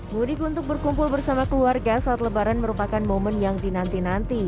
mudik untuk berkumpul bersama keluarga saat lebaran merupakan momen yang dinanti nanti